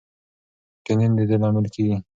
ټینین د دې لامل کېږي.